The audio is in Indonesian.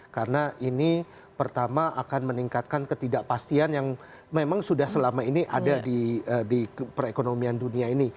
karena ini pertama akan meningkatkan ketidakpastian yang memang sudah selama ini ada di perekonomian dunia ini